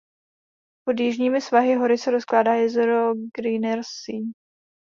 Pod jižními svahy hory se rozkládá jezero Grünersee.